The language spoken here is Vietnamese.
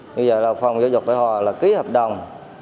như vậy là phòng giáo dục tây hòa là ký hợp đồng